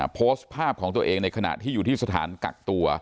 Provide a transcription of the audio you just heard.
โพสต์ภาพของตัวเองในขณะที่อยู่ที่สถานกักตัว